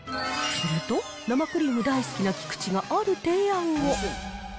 すると、生クリーム大好きな菊地がある提案を。